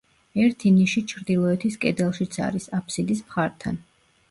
ერთი ნიში ჩრდილოეთის კედელშიც არის, აფსიდის მხართან.